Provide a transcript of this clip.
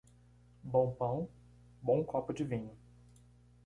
Bom pão, bom copo de vinho.